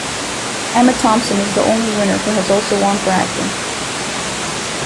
Emma Thompson is the only winner who has also won for acting.